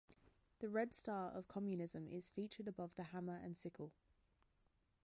The red star of Communism is featured above the hammer and sickle.